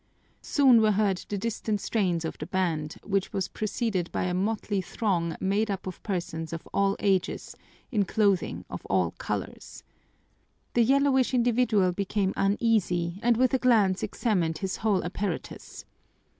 Soon were heard the distant strains of the band, which was preceded by a motley throng made up of persons of all ages, in clothing of all colors. The yellowish individual became uneasy and with a glance examined his whole apparatus.